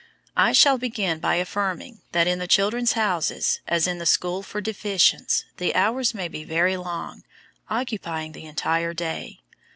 I shall begin by affirming that in the "Children's Houses," as in the school for deficients, the hours may be very long, occupying the entire day.